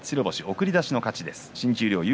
送り出しの勝ちです。